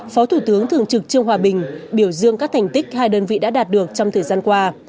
phó thủ tướng thường trực trương hòa bình biểu dương các thành tích hai đơn vị đã đạt được trong thời gian qua